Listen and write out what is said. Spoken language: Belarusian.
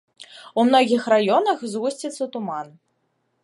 У многіх раёнах згусціцца туман.